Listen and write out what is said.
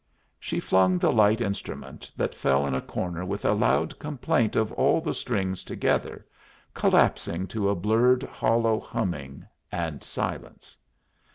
She flung the light instrument, that fell in a corner with a loud complaint of all the strings together, collapsing to a blurred hollow humming, and silence.